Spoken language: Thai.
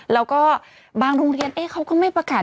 แล้วก็บางโรงเรียนเขาก็ไม่ประกาศ